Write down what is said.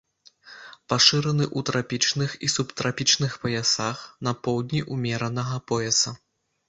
Пашыраны ў трапічных і субтрапічных паясах, на поўдні ўмеранага пояса.